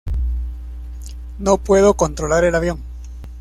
No puedo controlar el avión.